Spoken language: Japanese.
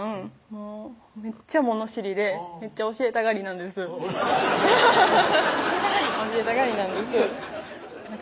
もうめっちゃ物知りでめっちゃ教えたがりなんです教えたがり教えたがりなんです私